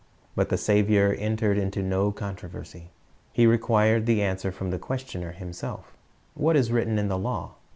But the Saviour entered into no controversy. He required the answer from the questioner himself "What is written in the law?"